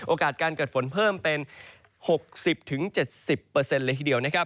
โอกาสการเกิดฝนเพิ่มเป็น๖๐๗๐เลยทีเดียว